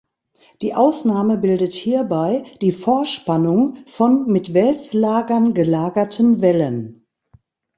Die Ausnahme bildet hierbei die Vorspannung von mit Wälzlagern gelagerten Wellen.